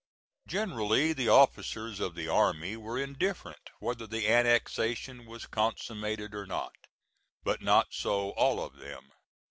Generally the officers of the army were indifferent whether the annexation was consummated or not; but not so all of them.